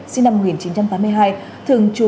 sinh năm một nghìn chín trăm tám mươi hai thường trú